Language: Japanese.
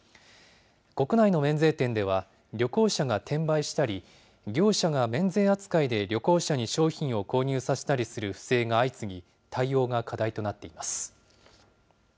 国内の免税店では、旅行者が転売したり、業者が免税扱いで旅行者に商品を購入させたりする不正が相次ぎ、対応が課題となっています。